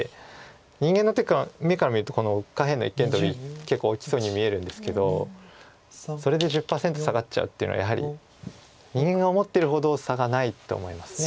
人間の目から見るとこの下辺の一間トビ結構大きそうに見えるんですけどそれで１０％下がっちゃうっていうのはやはり人間が思ってるほど差がないと思います。